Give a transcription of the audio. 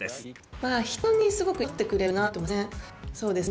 まあ人にすごく寄り添ってくれるなと思いますね。